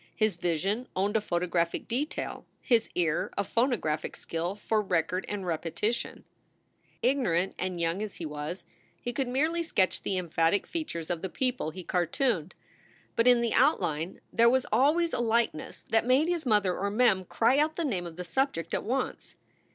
His vision owned a photographic detail, his ear a phonographic skill for record and repetition. i6 2 SOULS FOR SALE Ignorant and young as he was, he could merely sketch the emphatic features of the people he cartooned, but in the outline there was always a likeness that made his mother or Mem cry out the name of the subject at once.